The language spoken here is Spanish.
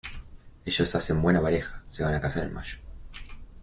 Ellos hacen buena pareja, se van a casar en mayo.